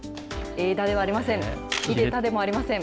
えいだではありません。